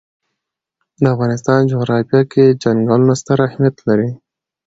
د افغانستان جغرافیه کې چنګلونه ستر اهمیت لري.